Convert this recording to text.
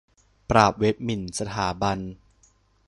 ปราบเว็บหมิ่นสถาบัน